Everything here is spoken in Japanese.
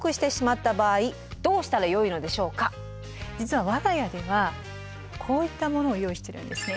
実は我が家ではこういったものを用意してるんですね。